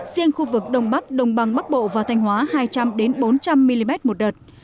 riêng khu vực đông bắc đồng bằng bắc bộ và thanh hóa hai trăm linh bốn trăm linh mm một đợt